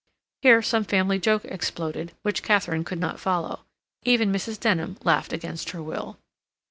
Here some family joke exploded, which Katharine could not follow. Even Mrs. Denham laughed against her will.